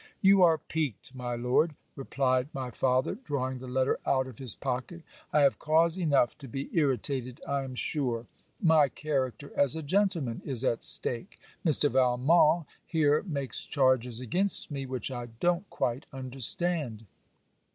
'You are piqued, my Lord,' replied my father drawing the letter out of his pocket. 'I have cause enough to be irritated, I am sure. My character as a gentleman is at stake. Mr. Valmont here makes charges against me which I don't quite understand.'